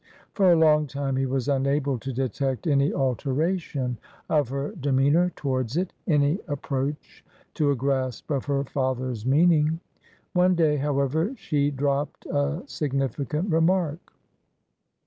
For a long time he was unable to detect any alteration of her demeanour towards it, any ap proach to a grasp of her father's meaning. One day, however, she dropped a significant remark.